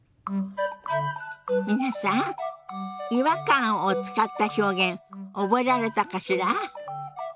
皆さん「違和感」を使った表現覚えられたかしら。